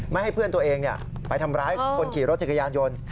ให้เพื่อนตัวเองไปทำร้ายคนขี่รถจักรยานยนต์